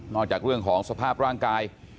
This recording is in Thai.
จากเรื่องของสภาพร่างกาย